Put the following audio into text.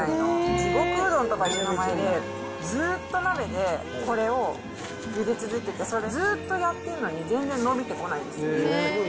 地獄うどんという名前のずっと鍋でこれをゆで続けて、それずーっとやってるのに、全然伸びてこないんです。